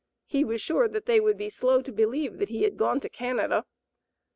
He was sure that they would be slow to believe that he had gone to Canada.